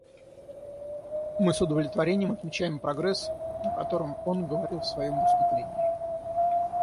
Мы с удовлетворением отмечаем прогресс, о котором он говорил в своем выступлении.